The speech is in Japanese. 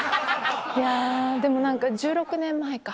いやでも何か１６年前か。